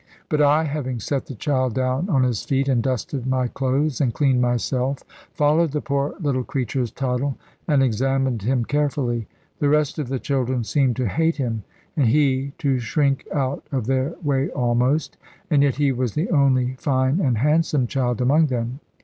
But I having set the child down on his feet, and dusted my clothes, and cleaned myself, followed the poor little creature's toddle, and examined him carefully. The rest of the children seemed to hate him, and he, to shrink out of their way almost; and yet he was the only fine and handsome child among them.